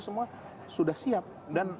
semua sudah siap dan